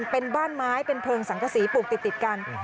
เป็นบ้านไม้เป็นเพลิงสังกษีปลูกติดกัน